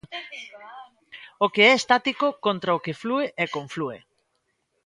O que é estático contra o que flúe e conflúe.